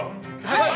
はい！